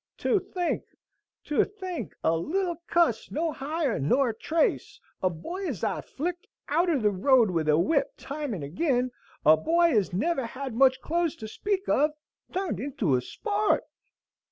toe think toe think a little cuss no higher nor a trace, a boy as I've flicked outer the road with a whip time in agin, a boy ez never hed much clothes to speak of, turned into a sport!"